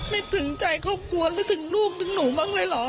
นึกถึงใจครอบครัวนึกถึงลูกถึงหนูบ้างเลยเหรอ